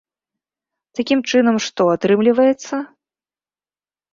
Такім чынам што атрымліваецца?